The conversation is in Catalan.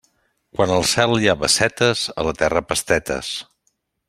Quan al cel hi ha bassetes, a la terra, pastetes.